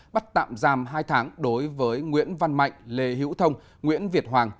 bắt tạm giam hai tháng đối với nguyễn văn mạnh lê hữu thông nguyễn việt hoàng